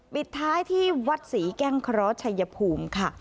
ปิดท้ายที่วัดศรีแก้งเคราะห์ชัยภูมิค่ะ